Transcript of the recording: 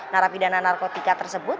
narapidana narkotika tersebut